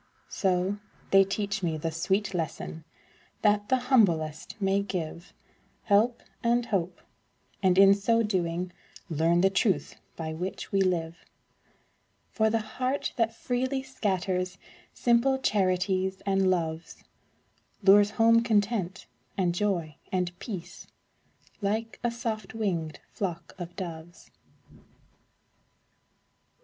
So, they teach me the sweet lesson, That the humblest may give Help and hope, and in so doing, Learn the truth by which we live; For the heart that freely scatters Simple charities and loves, Lures home content, and joy, and peace, Like a soft winged flock of doves.